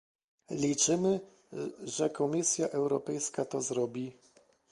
Liczymy, że Komisja Europejska to zrobi